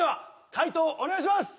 解答お願いします！